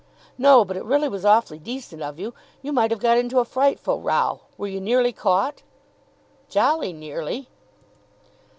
"No, but it really was awfully decent of you. You might have got into a frightful row. Were you nearly caught?" "Jolly nearly."